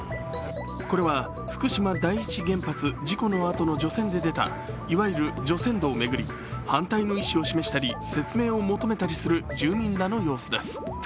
これは福島第一原発事故のあとの除染で出た、いわゆる除染土を巡り反対の意思を示したり説明を求めたりする住民らの様子です。